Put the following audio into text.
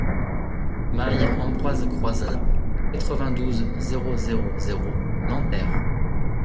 Mail Ambroise Croizat, quatre-vingt-douze, zéro zéro zéro Nanterre